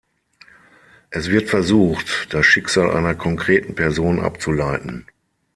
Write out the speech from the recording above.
Es wird versucht, das Schicksal einer konkreten Person abzuleiten.